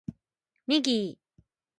ミギー